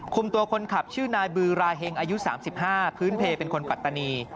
คุมตัวคนขับชื่อนายบือรายแห่งอายุสามสิบห้าพื้นเพย์เป็นคนปัตตานี